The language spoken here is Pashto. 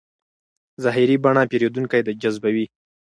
ظاهري بڼه پیرودونکی جذبوي.